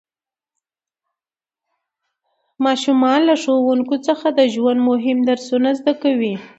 ماشومان له ښوونکي څخه د ژوند مهم درسونه زده کوي